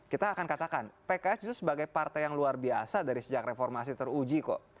kita akan katakan pks itu sebagai partai yang luar biasa dari sejak reformasi teruji kok